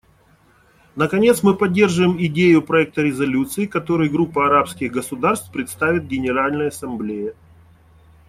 Наконец, мы поддерживаем идею проекта резолюции, который Группа арабских государств представит Генеральной Ассамблее.